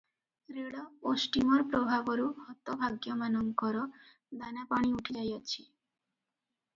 ରେଳ ଓ ଷ୍ଟୀମର ପ୍ରଭାବରୁ ହତଭାଗ୍ୟମାନଙ୍କର ଦାନା ପାଣି ଉଠି ଯାଇଅଛି ।